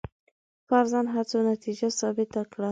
فرضاً هڅو نتیجه ثابته کړو.